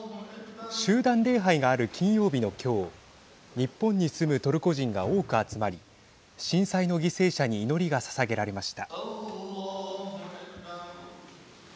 集団礼拝がある金曜日の今日日本に住むトルコ人が多く集まり震災の犠牲者に祈りがささげられました。